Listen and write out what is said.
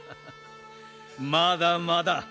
まだまだ。